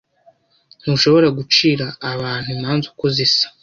Ntushobora gucira abantu imanza uko zisa.